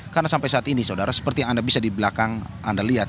karena sampai saat ini saudara seperti yang anda bisa di belakang anda lihat